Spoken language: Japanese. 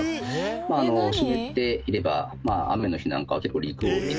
まあ湿っていれば雨の日なんかは結構陸を移動してですね